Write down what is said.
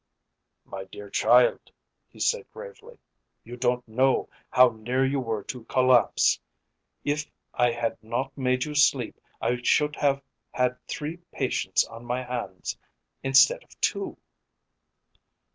"My dear child," he said gravely, "you don't know how near you were to collapse. If I had not made you sleep I should have had three patients on my hands instead of two."